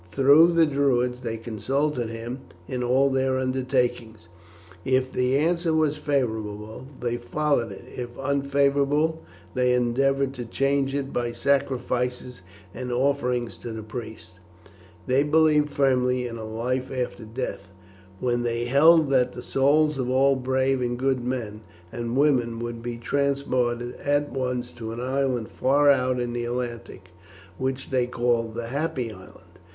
Through the Druids they consulted him in all their undertakings. If the answer was favourable, they followed it; if unfavourable, they endeavoured to change it by sacrifices and offerings to the priests. They believed firmly in a life after death, when they held that the souls of all brave and good men and women would be transported at once to an island far out in the Atlantic, which they called the Happy Island.